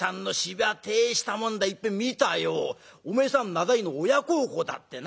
名代の親孝行だってな。